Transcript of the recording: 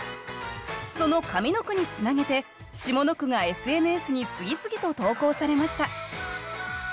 その上の句につなげて下の句がＳＮＳに次々と投稿されました